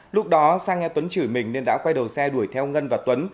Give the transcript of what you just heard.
lúc đó sang nghe tuấn chửi mình nên đã quay đầu xe đuổi theo ngân và tuấn